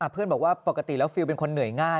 เพื่อนบอกว่าปกติแล้วฟิลเป็นคนเหนื่อยง่าย